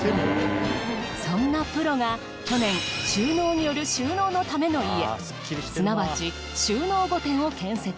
そんなプロが去年収納による収納のための家すなわち収納御殿を建設。